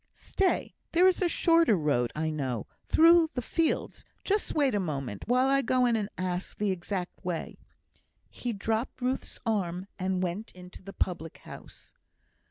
Stay, there is a shorter road, I know, through the fields; just wait a moment, while I go in and ask the exact way." He dropped Ruth's arm, and went into the public house.